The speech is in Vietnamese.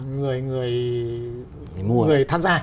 người tham gia